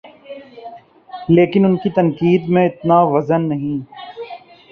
لیکن ان کی تنقید میں اتنا وزن نہیں۔